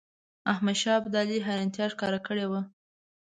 احمدشاه ابدالي حیرانیتا ښکاره کړې وه.